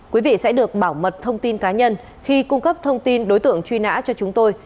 quý vị sẽ được bảo mật thông tin cá nhân khi cung cấp thông tin đối tượng truy nã cho chúng tôi